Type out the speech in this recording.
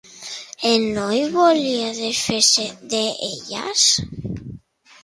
El noi volia desfer-se d'elles?